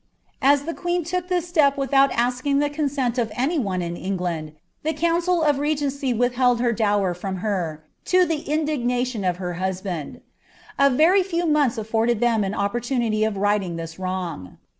"' As the queen took this step witboot asking the cuoseni of any one in England, the council of regcttcy witb held her dower from her, lo the indignation of her husband. A very It" months afforded them an opportunity of righting this wrong.